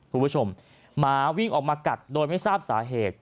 คุณผู้ชมหมาวิ่งออกมากัดโดยไม่ทราบสาเหตุ